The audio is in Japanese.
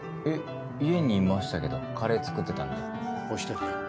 「えっ家にいましたけどカレー作ってたんで」